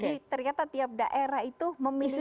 jadi ternyata tiap daerah itu memiliki